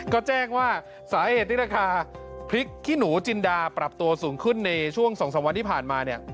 ก็แจ้งว่าสาเหตุที่ราคาพริกขี้หนูจินดาปรับตัวสูงขึ้นในช่วง๒๓วันที่ผ่านมาเนี่ย